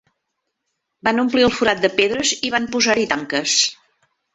Van omplir el forat de pedres i van posar-hi tanques.